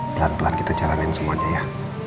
pelan pelan kita jalanin semuanya ya